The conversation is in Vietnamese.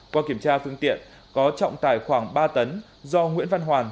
qua kiểm tra phương tiện có trọng tài khoảng ba tấn do nguyễn văn hoàn